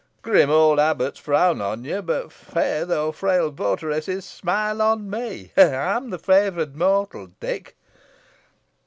Grim old abbots frown on you, but fair, though frail, votaresses smile on me. I am the favoured mortal, Dick."